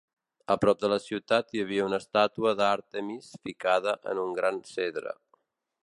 A prop de la ciutat hi havia una estàtua d'Àrtemis ficada en un gran cedre.